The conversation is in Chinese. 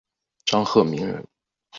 张鹤鸣人。